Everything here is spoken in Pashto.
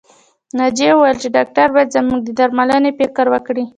ناجيې وويل چې ډاکټر بايد زموږ د درملنې فکر وکړي